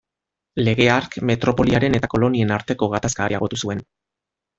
Lege hark, metropoliaren eta kolonien arteko gatazka areagotu zuen.